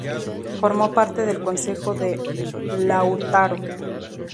Formó parte del consejo de Lautaro.